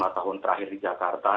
lima tahun terakhir di jakarta